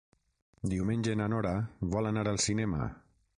Diumenge na Nora vol anar al cinema.